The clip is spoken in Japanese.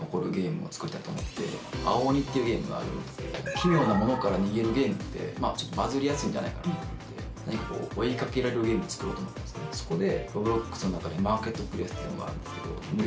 奇妙なものから逃げるゲームってちょっとバズりやすいんじゃないかなと思って何かこう追いかけられるゲームを作ろうと思ったんですけどそこで。